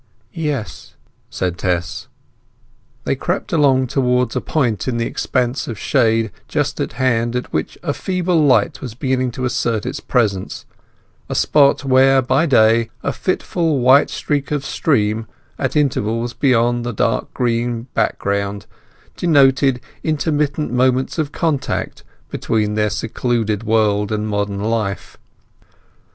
"Yes," said Tess. They crept along towards a point in the expanse of shade just at hand at which a feeble light was beginning to assert its presence, a spot where, by day, a fitful white streak of steam at intervals upon the dark green background denoted intermittent moments of contact between their secluded world and modern life.